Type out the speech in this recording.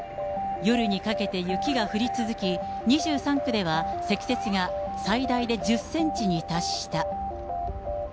夜にかけて雪が降り続き、２３区では積雪が最大で１０センチに達した。